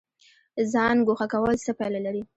ځان ګوښه کول څه پایله لري؟